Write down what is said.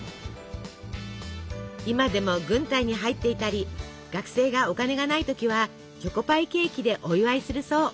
今でも軍隊に入っていたり学生がお金がない時はチョコパイケーキでお祝いするそう。